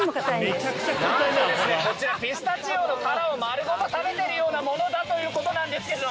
なんとですねこちらピスタチオの殻を丸ごと食べているようなものだということなんですけれども。